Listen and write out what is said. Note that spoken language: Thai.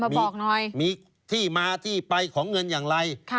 บอกหน่อยมีที่มาที่ไปของเงินอย่างไร